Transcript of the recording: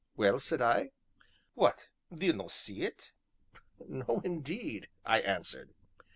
"Well?" said I. "What, d'ye no see it?" "No, indeed," I answered.